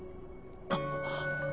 あっ。